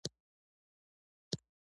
ټپي ته باید ژور درک وکړو.